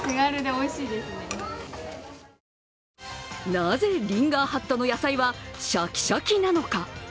なぜリンガーハットの野菜はしゃきしゃきなのか。